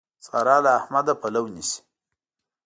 سارا له احمده پلو نيسي.